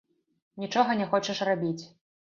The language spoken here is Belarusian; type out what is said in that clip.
Нічога не хочаш рабіць.